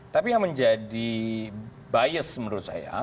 tapi yang menjadi bias menurut saya